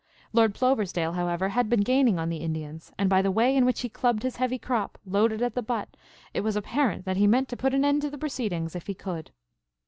Lord Ploversdale, however, had been gaining on the Indians, and by the way in which he clubbed his heavy crop, loaded at the butt, it was apparent that he meant to put an end to the proceedings if he could.